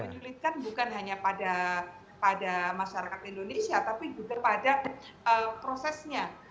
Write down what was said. menyulitkan bukan hanya pada masyarakat indonesia tapi juga pada prosesnya